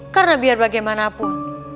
karena biar bagaimanapun